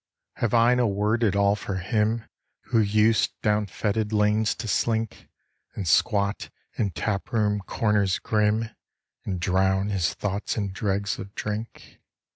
Have I no word at all for him Who used down fetid lanes to slink, And squat in tap room corners grim, And drown his thoughts in dregs of drink?